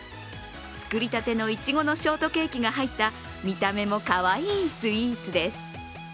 作りたてのいちごのショートケーキが入った見た目もかわいいスイーツです。